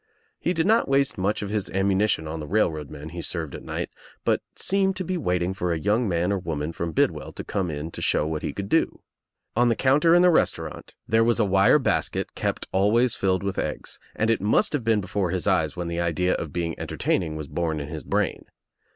He did not waste much of his ammunition on the railroad men he served at night but seemed to be waiting for a young man or woman from Bidwell to come In to show what he could do. On the counter in the restaurant there was a wire basket kept always filled with eggs, and it must have been before his eyes when the idea of being enter taining was born in his brain.